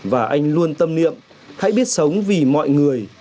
và anh luôn tâm niệm hãy biết sống vì mọi người